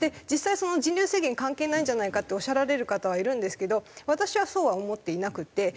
実際人流制限関係ないんじゃないかっておっしゃられる方はいるんですけど私はそうは思っていなくて。